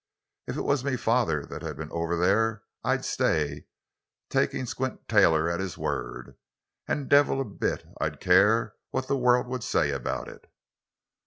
If it was me father that had been over there, I'd stay there, takin' Squint Taylor at his word—an' divvle a bit I'd care what the world would say about it!"